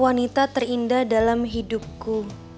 wanita terindah dalam hidupku